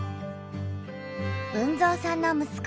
豊造さんの息子